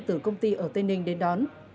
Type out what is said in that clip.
từ công ty ở tây ninh đến đón